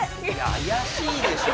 いや怪しいでしょ。